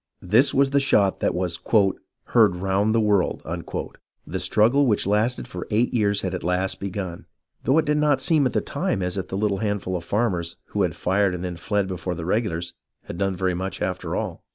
This was the shot that was " heard around the world." The struggle which lasted for eight years had at last begun, though it did not seem at the time as if the little handful of farmers, who had fired and then fled before the regulars, had done very much, after all.